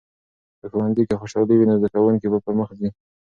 که ښوونځي کې خوشالي وي، نو زده کوونکي به پرمخ ځي.